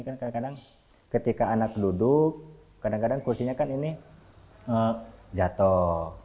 kadang kadang ketika anak duduk kursinya jatuh